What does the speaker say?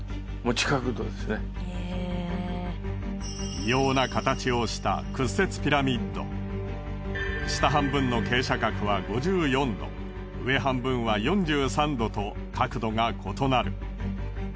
異様な形をした下半分の傾斜角は５４度上半分は４３度と角度が異なる。